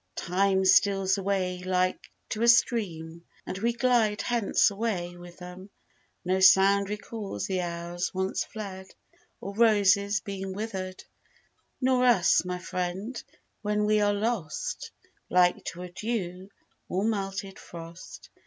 Time steals away like to a stream, And we glide hence away with them: No sound recalls the hours once fled, Or roses, being withered; Nor us, my friend, when we are lost, Like to a dew, or melted frost.